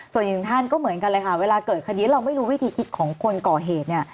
ส่วนอีกหนึ่งท่านก็เหมือนกันเลยค่ะเวลาเกิดคดีเราไม่รู้วิธีคิดของคนก่อเหตุเนี่ย